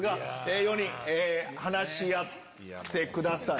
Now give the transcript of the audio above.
４人話し合ってください。